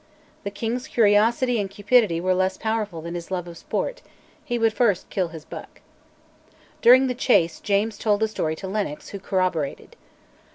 The king's curiosity and cupidity were less powerful than his love of sport: he would first kill his buck. During the chase James told the story to Lennox, who corroborated.